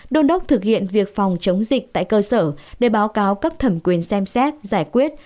đôn đốc thực hiện việc phòng chống dịch tại cơ sở để báo cáo cấp thẩm quyền xem xét giải quyết